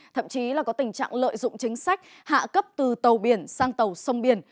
thậm chí là có tình trạng lợi dụng chính sách hạ cấp từ tàu biển sang tàu sông biển